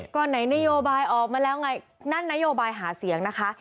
ก็ไหนนโยบายออกมาแล้วไงนั่นนโยบายหาเสียงนะคะ